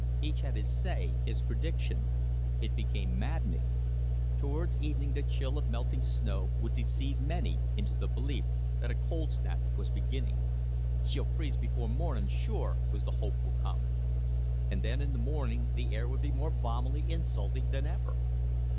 Each had his say, his prediction. It became maddening. Towards evening the chill of melting snow would deceive many into the belief that a cold snap was beginning. "She'll freeze before morning, sure," was the hopeful comment. And then in the morning the air would be more balmily insulting than ever.